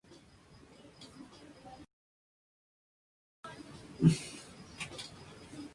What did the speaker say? Es la única basílica de origen mozárabe que se conoce de al-Ándalus.